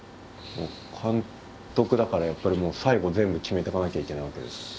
監督だからやっぱりもう最後全部決めてかなきゃいけないわけですもんね。